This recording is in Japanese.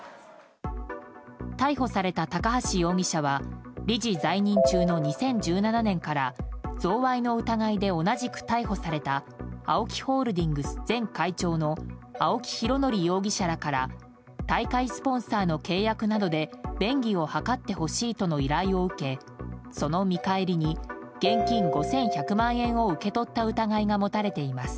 逮捕された高橋容疑者は理事在任中の２０１７年から贈賄の疑いで同じく逮捕されたＡＯＫＩホールディングス前会長の青木拡憲容疑者らから大会スポンサーの契約などで便宜を図ってほしいとの依頼を受けその見返りに現金５１００万円を受け取った疑いが持たれています。